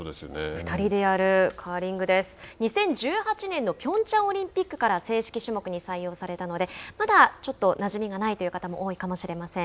２０１８年のピョンチャンオリンピックから正式種目に採用されたのでまだちょっとなじみがないという方も多いかもしれません。